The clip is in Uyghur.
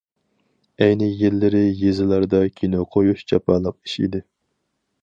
ئەينى يىللىرى يېزىلاردا كىنو قويۇش جاپالىق ئىش ئىدى.